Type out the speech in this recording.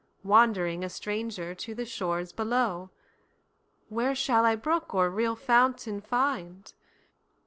Wandering a stranger to the shores below, Where shall I brook or real fountain find?